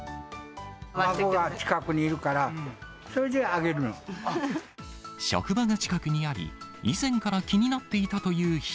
孫が近くにいるから、それで職場が近くにあり、以前から気になっていたという人。